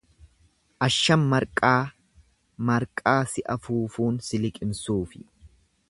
Asham marqaa, marqaa si afuufuun si liqimsuufi.